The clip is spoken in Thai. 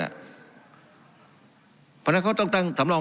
การปรับปรุงทางพื้นฐานสนามบิน